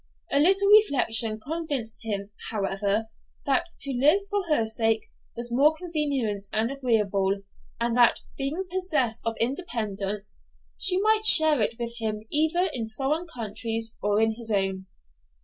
A little reflection convinced him, however, that to live for her sake was more convenient and agreeable, and that, being possessed of independence, she might share it with him either in foreign countries or in his own.